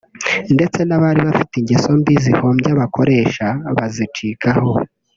ndetse n’abari bafite ingeso mbi zihombya abakoresha bazicikaho